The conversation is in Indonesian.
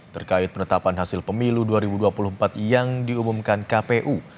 terkait penetapan hasil pemilu dua ribu dua puluh empat yang diumumkan kpu